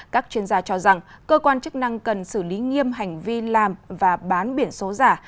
các chuyên gia cho rằng cơ quan chức năng cần xử lý nghiêm hành vi làm và bán biển số giả